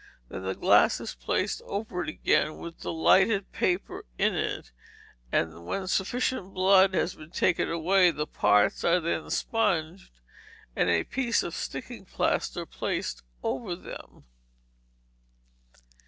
Then the glass is placed over it again with the lighted paper in it, and when sufficient blood has been taken away, the parts are then sponged, and a piece of sticking plaster placed over them.